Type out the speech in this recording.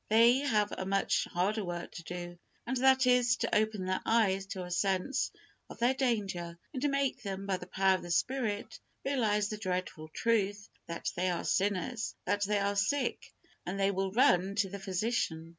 They have a much harder work to do, and that is, "to open their eyes" to a sense of their danger, and make them, by the power of the Spirit, realize the dreadful truth that they are sinners, that they are sick, and then they will run to the Physician.